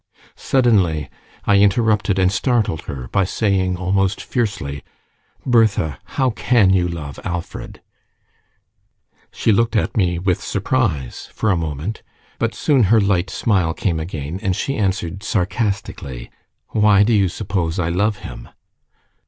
Suddenly I interrupted and startled her by saying, almost fiercely, "Bertha, how can you love Alfred?" She looked at me with surprise for a moment, but soon her light smile came again, and she answered sarcastically, "Why do you suppose I love him?"